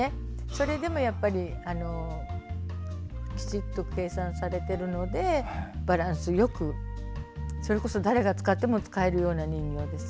それでもきちっと計算されてるのでバランスよくそれこそ、誰が使っても使えるような人形です。